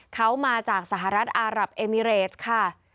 เขามาจากสหรัฐอารับเอมิเรสค่ะ